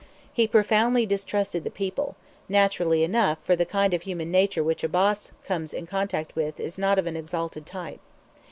He profoundly distrusted the people naturally enough, for the kind of human nature with which a boss comes in contact is not of an exalted type.